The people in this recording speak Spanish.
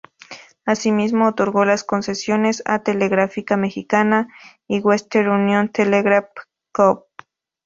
Asimismo, otorgó las concesiones a "Telegráfica Mexicana" y "Western Union Telegraph Co.